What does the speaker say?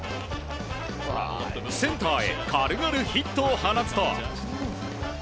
センターへ軽々ヒットを放つと。